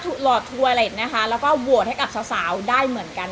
โปรดติดตามตอนต่อไป